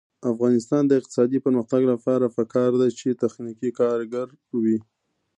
د افغانستان د اقتصادي پرمختګ لپاره پکار ده چې تخنیکي کارګر وي.